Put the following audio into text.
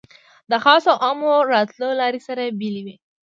د خاصو او عامو راتلو لارې سره بېلې وې.